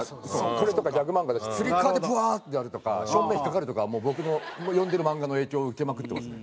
これとかギャグ漫画だしつり革でブワーッとやるとか小便引っかかるとか僕の読んでる漫画の影響を受けまくってますね。